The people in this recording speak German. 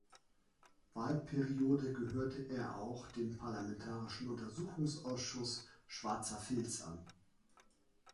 Wahlperiode gehörte er auch dem parlamentarischen Untersuchungsausschuss „Schwarzer Filz“ an.